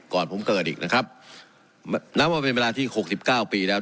ก่อนผมเกิดอีกนะครับนับว่าเป็นเวลาที่หกสิบเก้าปีแล้ว